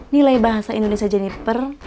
nilai bahasa indonesia jennifer